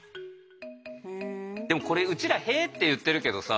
でもこれうちら「へ」って言ってるけどさ